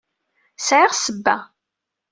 Sɛiɣ ssebba.